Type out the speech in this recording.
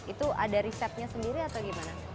itu ada risetnya sendiri atau gimana